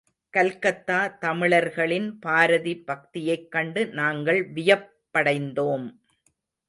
கல்கத்தா தமிழர்களின் பாரதி பக்தியைக் கண்டு நாங்கள் வியப்படைந்தோம்.